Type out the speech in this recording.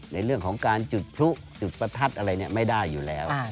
ในเรื่องของการจุดพลุจุดประทัดอะไรไม่ได้อยู่แล้ว